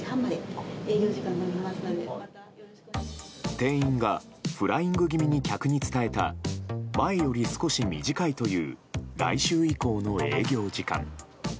店員がフライング気味に客に伝えた前より少し短いという来週以降の営業時間。